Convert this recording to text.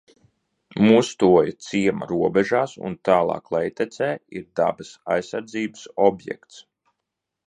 Mustoja ciema robežās un tālāk lejtecē ir dabas aizsardzības objekts.